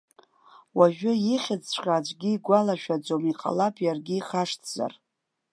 Уажәы ихьӡҵәҟьа аӡәгьы игәалашәаӡом, иҟалап иаргьы ихашҭзар.